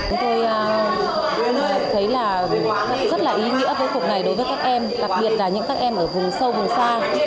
em thấy rất là ý nghĩa với cuộc này đối với các em đặc biệt là những các em ở vùng sâu vùng xa